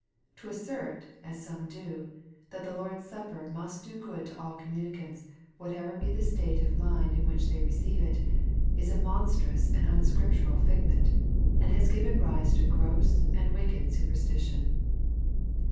To assert, as some do, that the Lord's supper must do good to all communicants, whatever be the state of mind in which they receive it, is a monstrous and unscriptural figment, and has given rise to gross and wicked superstition.